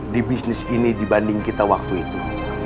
di bisnis ini dibanding kita waktu itu